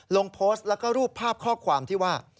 ลงโพสต์แล้วก็รูปภาพข้อความที่ว่า